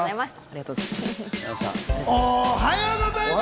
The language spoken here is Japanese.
ありがとうございます。